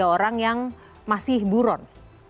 tiga orang yang masih buron